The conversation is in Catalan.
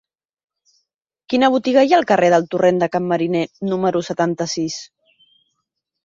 Quina botiga hi ha al carrer del Torrent de Can Mariner número setanta-sis?